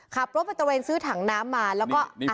ขับโคบร์จไปตะเวียงซื้อถังน้ำมาแล้วก็